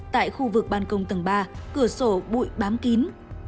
tại khu vực ban công tầng ba cửa sổ bụi bám kín